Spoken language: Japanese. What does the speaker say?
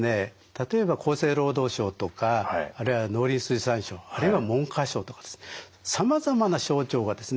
例えば厚生労働省とかあるいは農林水産省あるいは文科省とかですさまざまな省庁がですね